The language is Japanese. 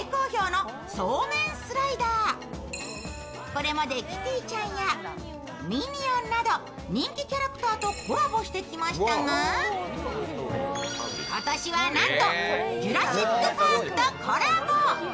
こまれでキティちゃんやミニオンなど人気キャラクターとコラボしてきましたが今年はなんとジュラシック・パークとコラボ。